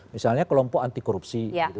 misalnya kelompok anti korupsi gitu ya